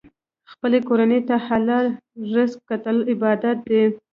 خپلې کورنۍ ته حلال رزق ګټل عبادت دی.